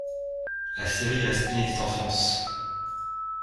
La série reste inédite en France.